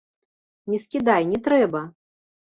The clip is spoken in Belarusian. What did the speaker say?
Не скідай, не трэба!